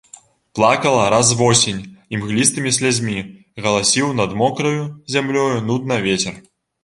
Плакала раз восень імглістымі слязьмі, галасіў над мокраю зямлёю нудна вецер.